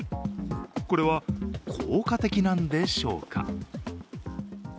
これは効果的なんでしょうか。